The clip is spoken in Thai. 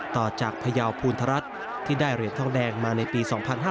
ต่อจากพยาวภูณธรัฐที่ได้เหรียญทองแดงมาในปี๒๕๕๙